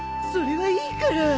それはいいから。